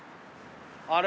あれ？